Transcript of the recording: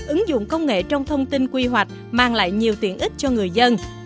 ứng dụng công nghệ trong thông tin quy hoạch mang lại nhiều tiện ích cho người dân